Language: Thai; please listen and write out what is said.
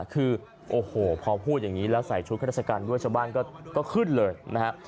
คือโอ้โหพอพูดอย่างนี้แล้วใส่ชุดข้าราชการด้วยชาวบ้านก็ขึ้นเลยนะฮะ